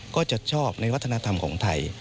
ก็จะชอบในวัฒนธรรมของไทย